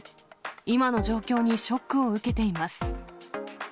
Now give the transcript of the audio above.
今の状況にショックを受けています。